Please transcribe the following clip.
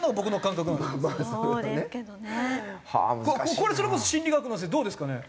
これそれこそ心理学どうですかね？